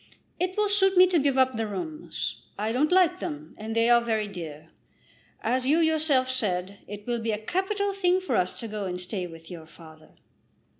It will suit me to give up the rooms. I don't like them, and they are very dear. As you yourself said, it will be a capital thing for us to go and stay with your father."